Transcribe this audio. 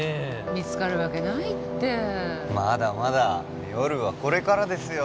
見つかるわけないってまだまだ夜はこれからですよ